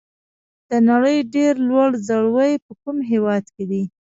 د نړۍ ډېر لوړ ځړوی په کوم هېواد کې دی؟